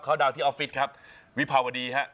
เขาดาวน์ที่ออฟฟิศครับวิภาวดีครับ